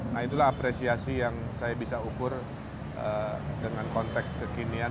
nah itulah apresiasi yang saya bisa ukur dengan konteks kekinian